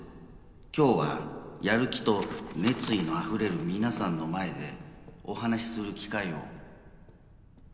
今日はやる気と熱意のあふれる皆さんの前でお話しする機会を。